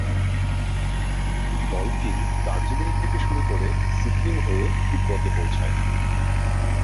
দলটি দার্জিলিং থকে শুরু করে সিকিম হয়ে তিব্বতে পৌঁছয়।